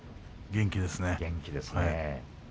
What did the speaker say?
元気ですね。